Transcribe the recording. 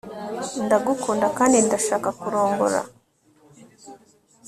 ndagukunda kandi ndashaka kurongora